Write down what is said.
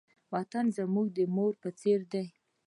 وطن زموږ د مور په څېر دی.